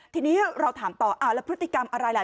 ทีนี้เราถามต่อแล้วพฤติกรรมอะไรล่ะ